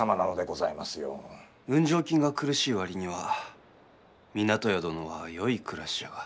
運上金が苦しいわりには湊屋殿は良い暮らしじゃが。